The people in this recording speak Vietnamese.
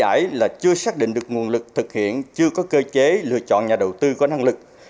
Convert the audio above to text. đặc biệt lý giải là chưa xác định được nguồn lực thực hiện chưa có cơ chế lựa chọn nhà đầu tư có năng lực